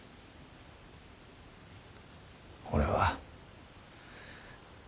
俺は。